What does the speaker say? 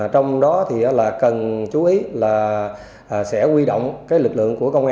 trong đó cần chú ý là sẽ quy động lực lượng của công an